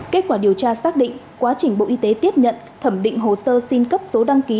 kết quả điều tra xác định quá trình bộ y tế tiếp nhận thẩm định hồ sơ xin cấp số đăng ký